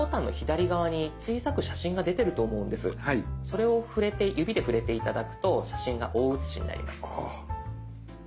それを指で触れて頂くと写真が大写しになります。